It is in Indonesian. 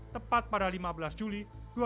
tepat pada lima belas juli dua ribu dua puluh